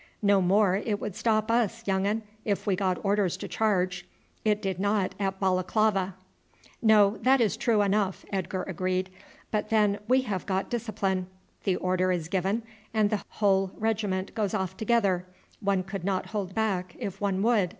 "No more it would stop us, young un, if we got orders to charge. It did not at Balaclava." "No, that is true enough," Edgar agreed; "but then we have got discipline. The order is given, and the whole regiment goes off together; one could not hold back if one would.